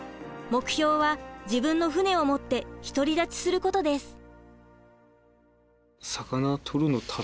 目標は自分の船を持って独り立ちすることです。